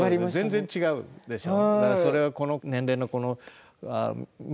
全然違うでしょ。